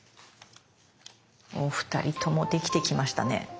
お二人ともできてきましたね。